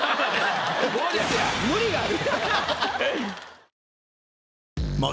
無理がある。